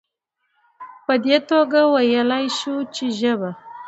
په دي توګه ويلايي شو چې ژبه